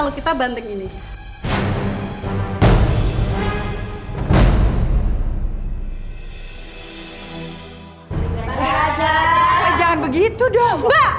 lu berani ngelawan gua ha